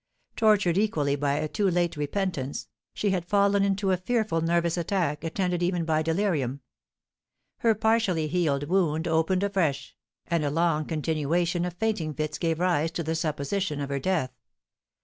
Tortured equally by a too late repentance, she had fallen into a fearful nervous attack, attended even by delirium; her partially healed wound opened afresh, and a long continuation of fainting fits gave rise to the supposition of her death.